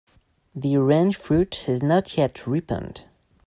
The orange fruit is not yet ripened.